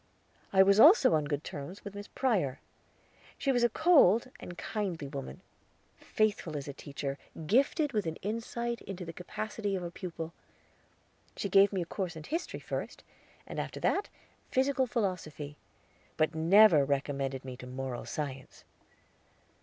I was also on good terms with Miss Prior. She was a cold and kindly woman, faithful as a teacher, gifted with an insight into the capacity of a pupil. She gave me a course of History first, and after that Physical Philosophy; but never recommended me to Moral Science.